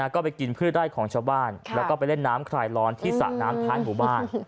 ก็ไปกินพืชไร่ของชาวบ้านแล้วก็ไปเล่นน้ำคลายร้อนที่สระน้ำท้ายหมู่บ้าน